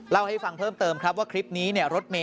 เล่าให้ฟังเพิ่มเติมครับว่าคลิปนี้รถเมย